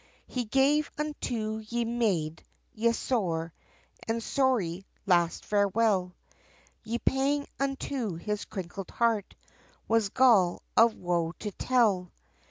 He gave unto ye Mayde, ye sore, And sorry last farewell, Ye pang unto his crinkled heart, Was gall of woe to tell!